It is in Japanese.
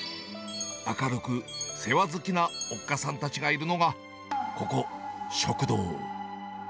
明るく、世話好きなおっかさんたちがいるのが、ここ、食堂。